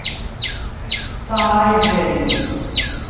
嘥氣